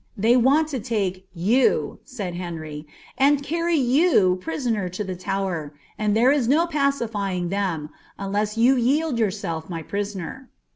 " They want to take yna," said Bewy, "W carry you prisoner to theTowcr; and there ia no pacifying Uiaii, ndHi you yield yourself my prisoner."